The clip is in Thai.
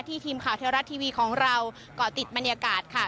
ทีมข่าวเทวรัฐทีวีของเราก่อติดบรรยากาศค่ะ